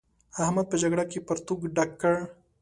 احمد په جګړه کې پرتوګ ډک کړ.